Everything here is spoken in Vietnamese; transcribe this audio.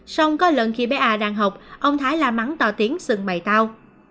xong có lần khi bé a đang học ông thái la mắng to tiếng sừng mày tao